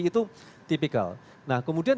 itu tipikal nah kemudian